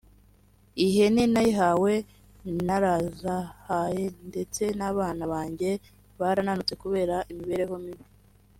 “Iyi hene nayihawe narazahaye ndetse n’abana banjye barananutse kubera imibereho mibi